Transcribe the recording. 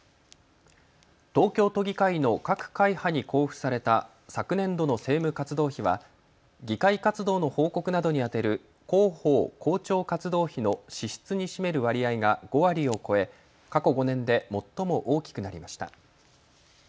東京都議会の各会派に交付された昨年度の政務活動費は議会活動の報告などに充てる広報・広聴活動費の支出に占める割合が５割を超え過去５年で最も大きくなりました。